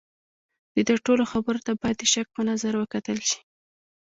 د ده ټولو خبرو ته باید د شک په نظر وکتل شي.